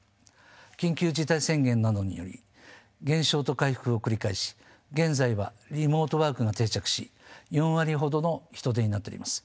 緊急事態宣言などにより減少と回復を繰り返し現在はリモートワークが定着し４割ほどの人出になっております。